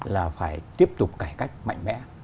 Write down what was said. là phải tiếp tục cải cách mạnh mẽ